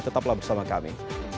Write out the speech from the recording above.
tetaplah bersama kami